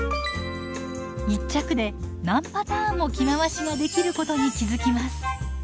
一着で何パターンも着回しができることに気付きます。